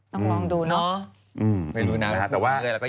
ต้องมองดูเลยนะครับ